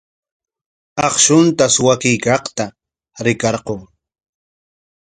Akshunta suwakuykaqta rikarqun.